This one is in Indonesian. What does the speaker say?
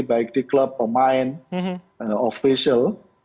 baik di klub pemain official